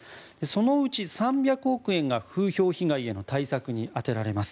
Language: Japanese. そのうち３００億円が風評被害への対策に充てられます。